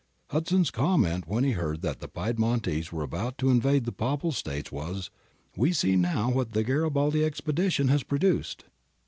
Hudson's comment when he heard that the Picdmontese were about to invade the Papal States was, 'We see now what the Garibaldi expedition has produced.'''